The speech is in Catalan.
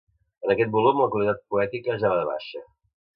En aquest volum la qualitat poètica ja va de baixa.